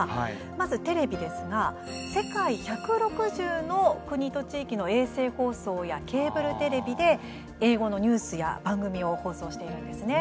まずテレビですが世界１６０の国と地域の衛星放送やケーブルテレビで英語のニュースや番組を放送しているんですね。